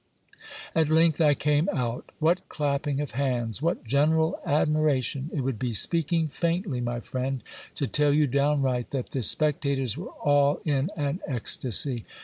At length I came out. What clapping of hands ! what general admiration ! It would be speaking faintly, my friend, to tell you downright that the specta tors were all in an ecstacy.